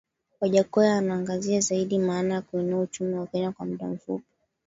Wajackoya anaangazia Zaidi namna ya kuinua uchumi wa Kenya kwa mda mfupi